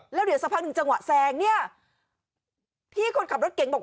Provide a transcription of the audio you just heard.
แล้วเดี๋ยวสักพักหนึ่งจังหวะแซงเนี่ยพี่คนขับรถเก่งบอก